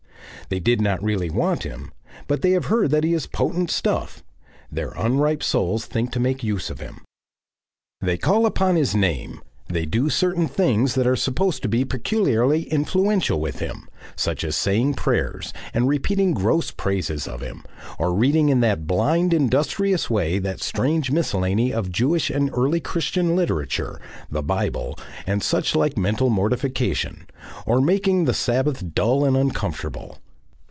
They did not really want him, but they have heard that he is potent stuff; their unripe souls think to make use of him. They call upon his name, they do certain things that are supposed to be peculiarly influential with him, such as saying prayers and repeating gross praises of him, or reading in a blind, industrious way that strange miscellany of Jewish and early Christian literature, the Bible, and suchlike mental mortification, or making the Sabbath dull and uncomfortable.